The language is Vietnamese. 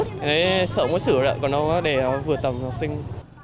em thấy sợ mối xử rồi còn đâu để vừa tầm học sinh